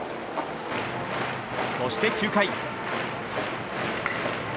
そして９回。